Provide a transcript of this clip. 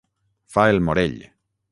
Fa el Morell.